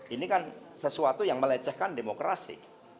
ini kan sesuatu yang melecehkan demokrasi